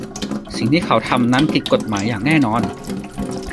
สิ่งที่เขาทำนั้นผิดกฎหมายอย่างแน่นอน